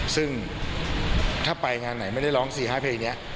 ซึ่งถ้าไปงานไหนไม่ได้ร้อง๔๕เพลงนี้